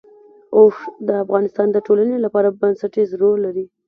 اوښ د افغانستان د ټولنې لپاره بنسټيز رول لري.